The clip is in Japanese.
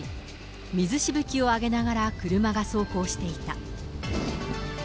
水しぶきを上げながら車が走行していた。